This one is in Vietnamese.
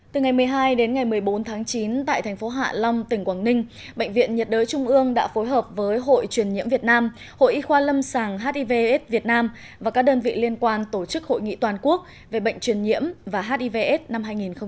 từ ngày một mươi hai đến ngày một mươi bốn tháng chín tại thành phố hạ long tỉnh quảng ninh bệnh viện nhiệt đới trung ương đã phối hợp với hội truyền nhiễm việt nam hội y khoa lâm sàng hivs việt nam và các đơn vị liên quan tổ chức hội nghị toàn quốc về bệnh truyền nhiễm và hivs năm hai nghìn một mươi chín